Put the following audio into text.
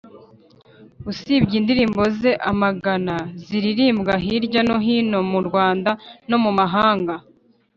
Usibye indirimbo ze amagana ziririmbwa hirya no hino mu Rwanda no mu mahanga